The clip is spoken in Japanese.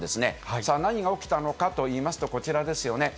さあ、何が起きたのかといいますと、こちらですよね。